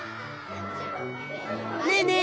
ねえねえ